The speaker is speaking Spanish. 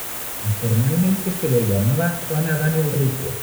Informalmente se lo llamaba "Juan Adán el Rico".